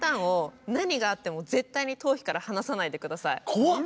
怖っ！